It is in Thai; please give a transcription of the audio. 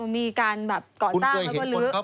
มีการก่อสร้างแล้วก็ลื้อ